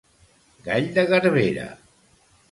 Gall de garbera.